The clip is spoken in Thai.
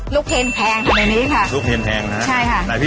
ลูกเห็นแพงค่ะในนี้ค่ะ